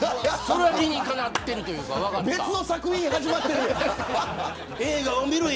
理にかなっているというか別の作品始まってる。